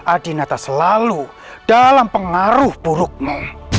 adinata selalu dalam pengaruh burukmu